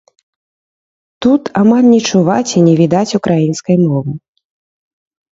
Тут амаль не чуваць і не відаць украінскай мовы.